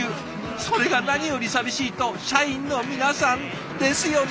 それが何より寂しいと社員の皆さん。ですよね。